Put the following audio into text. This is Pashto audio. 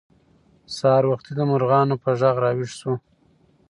سهار وختي د مرغانو په غږ راویښ شوو.